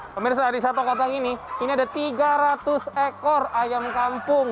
pemirsa di satu kotak ini ini ada tiga ratus ekor ayam kampung